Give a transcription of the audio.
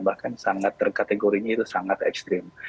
bahkan kategorinya itu sangat ekstrim